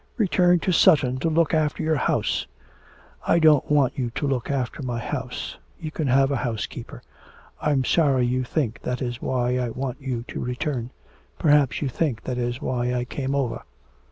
'Return to Sutton to look after your house!' 'I don't want you to look after my house; you can have a housekeeper. I'm sorry you think that is why I want you to return. Perhaps you think that is why I came over.